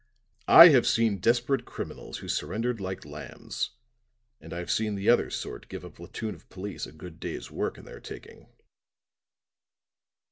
I have seen desperate criminals who surrendered like lambs; and I've seen the other sort give a platoon of police a good day's work in their taking."